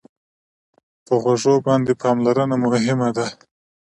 په غوږو باندې پاملرنه مهمه ده.